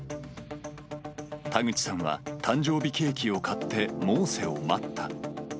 田口さんは誕生日ケーキを買って、モーセを待った。